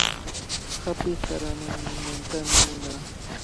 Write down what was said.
Api qaramaanantami munaa.